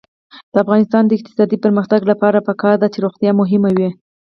د افغانستان د اقتصادي پرمختګ لپاره پکار ده چې روغتیا مهمه وي.